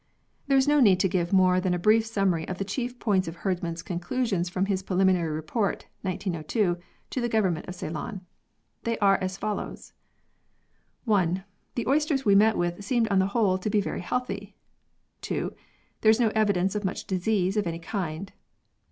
There is no need to give more than a brief summary of the chief points of Herdman's conclu sions from his preliminary report (1902) to the Government of Ceylon. They are as follows: " 1. The oysters we met with seemed on the whole to be very healthy. 2. There is no evidence of much disease of any kind.